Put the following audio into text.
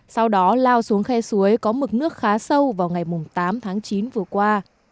sau đó lao xuống khe suối có mực nước khá sâu vào ngày tám tháng chín vừa qua